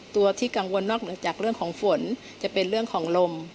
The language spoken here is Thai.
ตัวที่กังวลนอกเหนือจากเรื่องของฝนจะเป็นเรื่องของลม